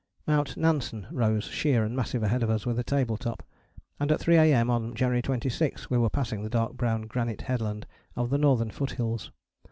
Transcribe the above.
" Mount Nansen rose sheer and massive ahead of us with a table top, and at 3 A.M. on January 26 we were passing the dark brown granite headland of the northern foothills.